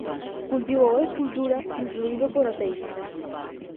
Cultivou a escultura, influído por Oteiza.